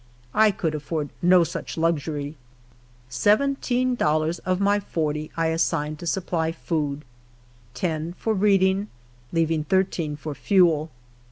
I could afford no such luxury. Seven teen dollars of my forty I assigned to supply food, ten for reading, leaving thirteen for fuel.